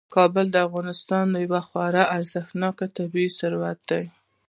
کابل د افغانستان یو خورا ارزښتناک طبعي ثروت دی.